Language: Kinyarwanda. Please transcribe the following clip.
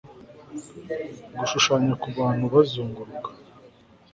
gushushanya kubantu bazunguruka